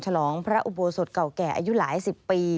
ฉลองพระอุโบสถเก่าแก่อายุหลายสิบปี